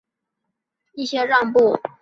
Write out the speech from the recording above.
他在认信文中对于新教做出一些让步。